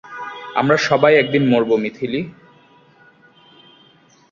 আমরা সবাই একদিন মরবো, মিথিলি।